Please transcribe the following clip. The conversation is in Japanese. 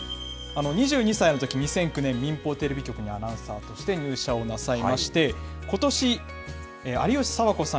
２２歳のとき２００９年、民放テレビ局にアナウンサーとして入社をなさいまして、ことし、有吉佐和子さん